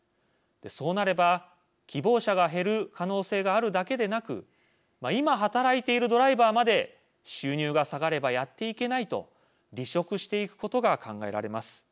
そうなれば希望者が減る可能性があるだけでなく今働いているドライバーまで収入が下がればやっていけないと離職していくことが考えられます。